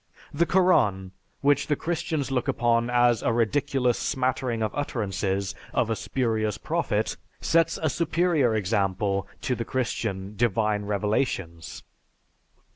The Koran, which the Christians look upon as a ridiculous smattering of utterances of a spurious prophet, sets a superior example to the Christian "Divine Revelations."